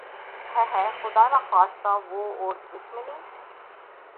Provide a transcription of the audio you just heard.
ھے ھے! خدا نخواستہ وہ اور دشمنی